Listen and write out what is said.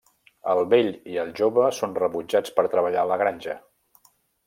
El vell i el jove són rebutjats per treballar a la granja.